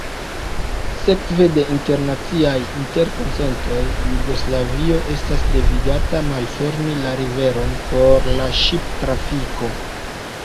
Sekve de internaciaj interkonsentoj Jugoslavio estas devigata malfermi la riveron por la ŝiptrafiko.